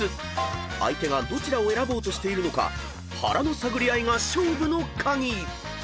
［相手がどちらを選ぼうとしているのか腹の探り合いが勝負の鍵］